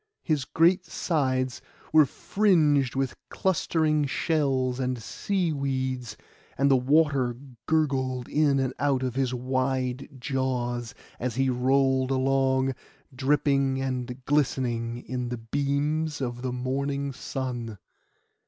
His great sides were fringed with clustering shells and sea weeds, and the water gurgled in and out of his wide jaws, as he rolled along, dripping and glistening in the beams of the morning sun.